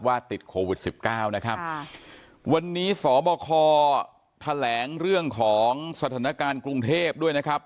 ติดโควิดสิบเก้านะครับค่ะวันนี้สบคแถลงเรื่องของสถานการณ์กรุงเทพด้วยนะครับ